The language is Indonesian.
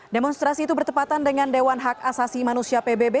demonstrasi itu bertepatan dengan dewan hak asasi manusia pbb